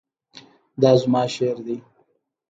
دا زما شعر دی